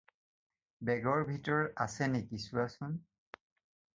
বেগৰ ভিতৰত আছে নেকি চোৱাচোন।